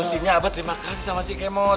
nah bu sinnya abah terima kasih sama si kemot